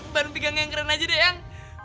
baru pegang yang keren aja deh yang